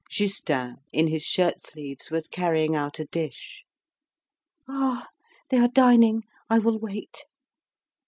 Justin in his shirt sleeves was carrying out a dish. "Ah! they are dining; I will wait."